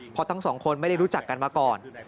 เพราะทั้งสองคนไม่ได้รู้จักกันมาก่อน